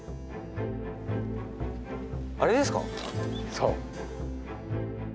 そう。